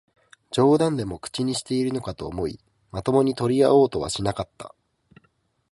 冗談でも口にしているのかと思い、まともに取り合おうとはしなかった